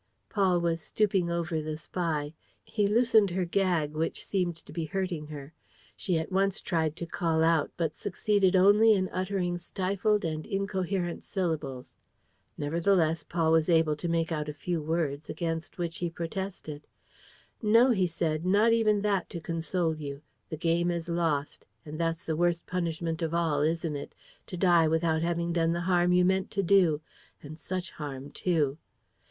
Paul was stooping over the spy. He loosened her gag, which seemed to be hurting her. She at once tried to call out, but succeeded only in uttering stifled and incoherent syllables. Nevertheless, Paul was able to make out a few words, against which he protested: "No," he said, "not even that to console you. The game is lost. And that's the worst punishment of all, isn't it? To die without having done the harm you meant to do. And such harm, too!"